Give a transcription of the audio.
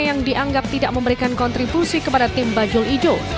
yang dianggap tidak memberikan kontribusi kepada tim bajul ijo